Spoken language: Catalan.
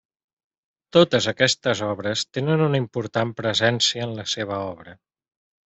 Totes aquestes obres tenen una important presència en la seva obra.